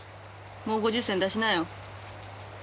もう５０銭出しなよ。